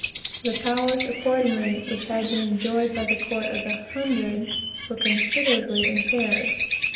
"The powers, accordingly, which had been enjoyed by the court of the hundred, were considerably impaired.